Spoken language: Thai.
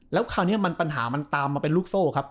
แล้วคราวนี้มันปัญหามันตามมาเป็นลูกโซ่ครับ